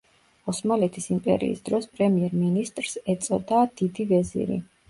ოსმალეთის იმპერიის დროს, პრემიერ-მინისტრს, ეწოდა დიდი ვეზირი.